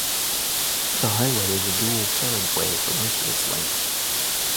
The highway is a dual carriageway for most of its length.